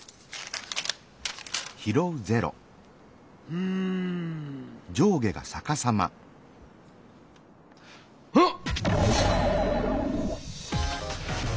うん。あっ！